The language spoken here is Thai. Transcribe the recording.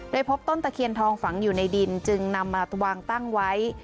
โดยพบต้นตะเคียนทองฝังอยู่ในดินจึงนำมาวางตั้งไว้